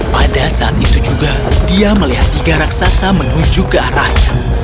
pada saat itu juga dia melihat tiga raksasa menuju ke arahnya